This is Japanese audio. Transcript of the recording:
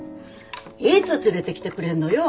いつ連れてきてくれんのよ。